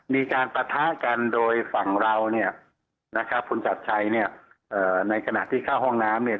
ปะทะกันโดยฝั่งเราเนี่ยนะครับคุณชัดชัยเนี่ยในขณะที่เข้าห้องน้ำเนี่ย